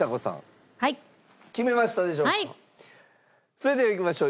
それではいきましょう。